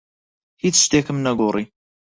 هیچ شتێکم نەگۆڕی.